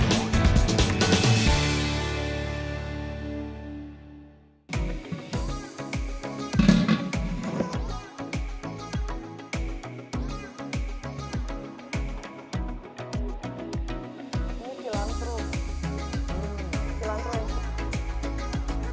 atau menarik narik adonan